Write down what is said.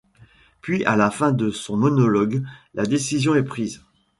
Puis à la fin de son monologue la décision est prise.